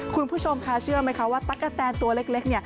คุณผู้ชมคะเชื่อไหมคะว่าตั๊กกะแตนตัวเล็กเนี่ย